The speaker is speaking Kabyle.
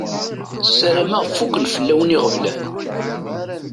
Sarameɣ fukken fell-awen iɣeblan.